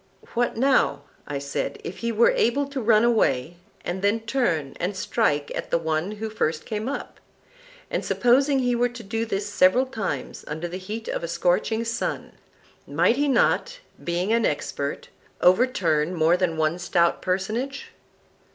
What, now, I said, if he were able to run away and then turn and strike at the one who first came up? And supposing he were to do this several times under the heat of a scorching sun, might he not, being an expert, overturn more than one stout personage?